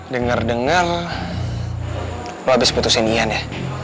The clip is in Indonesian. dengar dengar lo abis putusin ian ya